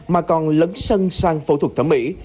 mà còn lấn sân sang phẫu thuật thẩm mỹ